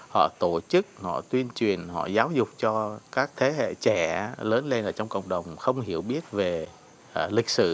họ tổ chức họ tuyên truyền họ giáo dục cho các thế hệ trẻ lớn lên ở trong cộng đồng không hiểu biết về lịch sử